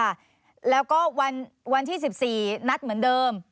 ค่ะแล้วก็วันที่๑๔นัดเหมือนเดิม